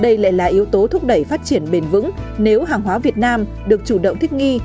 yếu tố thúc đẩy phát triển bền vững nếu hàng hóa việt nam được chủ động thích nghi